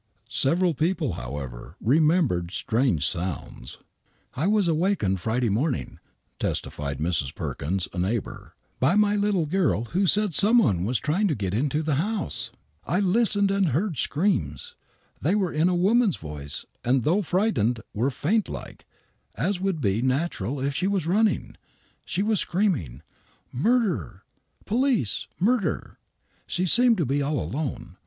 Severrl people, however, remembered strange sounds. " I was awakened Friday morning," testified Mrs. Perkins, a neighbor, " by my little girl, who said some one was trying to get into the house. I listened and heard screams. They were in a woman's voice,, and though frightened, were faintlike, as would be natural if she was running. She was screaming, * Murder I Police I Murder !' She seemed to be all alone.